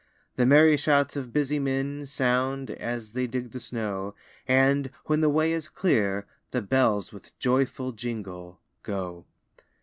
The merry shouts of busy men Sound, as they dig the snow; And, when the way is clear, the bells With joyful jingle, go.